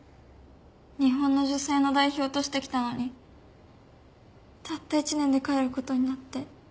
日本の女性の代表として来たのにたった１年で帰る事になって。